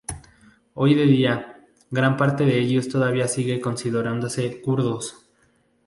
A día de hoy, gran parte de ellos todavía sigue considerándose kurdos.